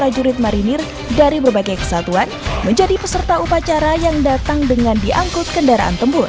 jarak delapan ratus meter